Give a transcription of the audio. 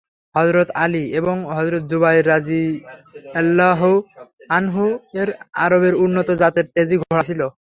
হযরত আলী এবং হযরত জুবাইর রাযিয়াল্লাহু আনহু-এর আরবের উন্নত জাতের তেজি ঘোড়া ছিল।